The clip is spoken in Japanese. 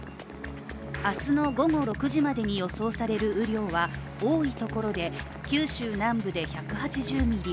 明日の午後６時までに予想される雨量は多い所で九州南部で１８０ミリ